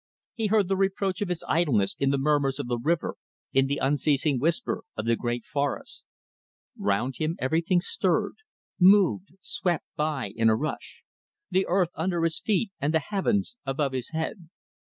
He heard the reproach of his idleness in the murmurs of the river, in the unceasing whisper of the great forests. Round him everything stirred, moved, swept by in a rush; the earth under his feet and the heavens above his head.